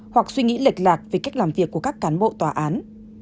hoặc suy nghĩ lệch lạc về cách làm việc của các cán bộ tòa án